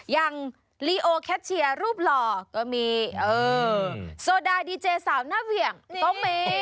อย่างลีโอแคทเชียร์รูปหล่อก็มีโซดาดีเจสาวหน้าเหวี่ยงก็มี